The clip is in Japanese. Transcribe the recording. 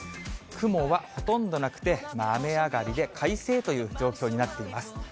雲はほとんどなくて雨上がりで、快晴という状況になっています。